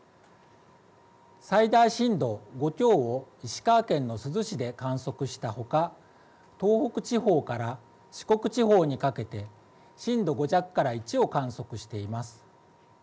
最大震度５強を石川県の珠洲市で観測したほか東北地方から四国地方にかけて震度５弱から１を観測しています。